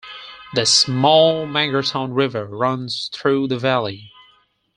The small Mangerton River runs through the valley.